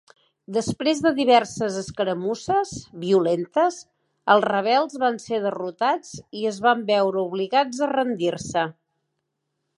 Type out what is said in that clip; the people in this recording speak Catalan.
Després de diverses escaramusses violentes, els rebels van ser derrotats i es van veure obligats a rendir-se.